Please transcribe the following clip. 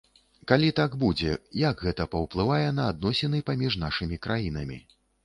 Калі так будзе, як гэта паўплывае на адносіны паміж нашымі краінамі?